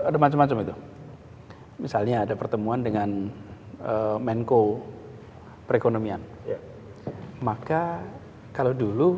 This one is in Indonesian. ada macam macam itu misalnya ada pertemuan dengan menko perekonomian maka kalau dulu